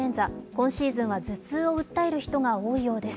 今シーズンは頭痛を訴える人が多いようです。